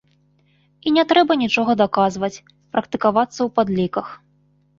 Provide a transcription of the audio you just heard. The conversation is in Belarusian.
І не трэба нічога даказваць, практыкавацца ў падліках.